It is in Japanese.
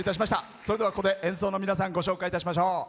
それでは、ここで演奏の皆さんご紹介いたしましょう。